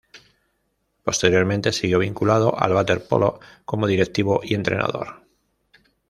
Posteriormente siguió vinculado al waterpolo como directivo y entrenador.